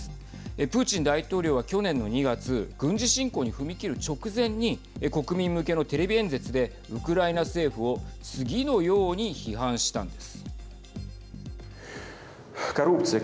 プーチン大統領は去年の２月軍事侵攻に踏み切る直前に国民向けのテレビ演説でウクライナ政府を次のように批判したんです。